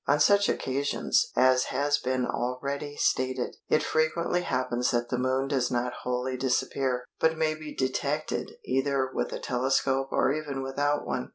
On such occasions, as has been already stated, it frequently happens that the Moon does not wholly disappear, but may be detected either with a telescope or even without one.